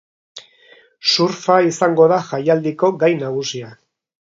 Surfa izango da jaialdiko gai nagusia.